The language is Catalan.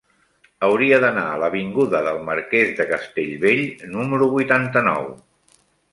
Hauria d'anar a l'avinguda del Marquès de Castellbell número vuitanta-nou.